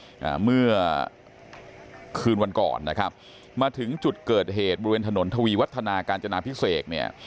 อ่าเมื่อคืนวันก่อนนะครับมาถึงจุดเกิดเหตุบริเวณถนนทวีวัฒนาการจนาพิเศษเนี่ย